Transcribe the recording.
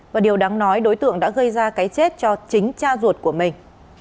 và điều đáng nói đối tượng đã gây ra cái chết cho chính cha ruột của mình